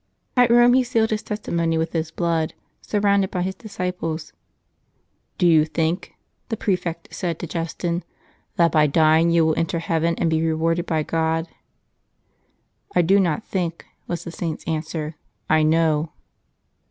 At Kome he sealed his testimony with his blood, surrounded by his dis ciples. " Do you think,'^ the prefect said to Justin, " that by dying you will enter heaven, and be rewarded by God ?" "I do not think," was the Saint's answer; ^' I know."